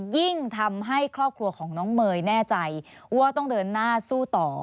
ยิ่งทำให้ครอบครัวของน้องเมย์แน่ใจว่าต้องเดินหน้าสู้ต่อ